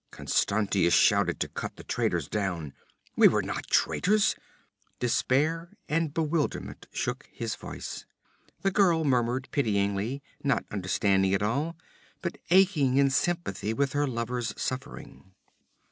Constantius shouted to cut the traitors down. We were not traitors!' Despair and bewilderment shook his voice. The girl murmured pityingly, not understanding it all, but aching in sympathy with her lover's suffering.